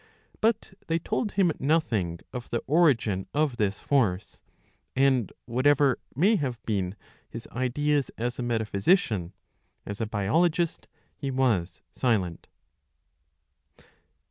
But they told him nothing of the origin of this force, and, whatever may have been his ideas as a metaphysician, as a biologist he was silent.